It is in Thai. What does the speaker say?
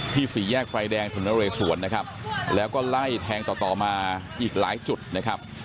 ที่สี่แยกไฟแดงธรรมดาโรยสวนนะครับแล้วก็ไล่แทงต่อมาอีกหลายจุดนะครับ